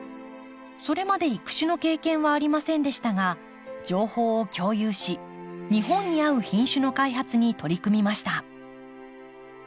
それまで育種の経験はありませんでしたが情報を共有し日本に合う品種の開発に取り組みました。